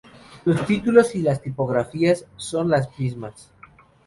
Los títulos y las tipografías son las mismas.